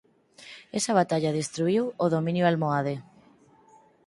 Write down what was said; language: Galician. Esa batalla destruíu o dominio almohade.